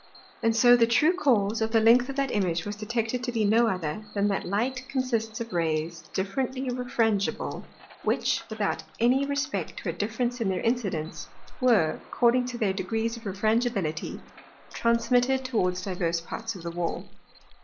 And so the true cause of the length of that Image was detected to be no other, than that Light consists of Rays differently refrangible, which, without any respect to a difference in their incidence, were, according to their degrees of Refrangibility, transmitted towards divers parts of the Wall.